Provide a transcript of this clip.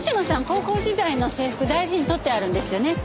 高校時代の制服大事に取ってあるんですよね。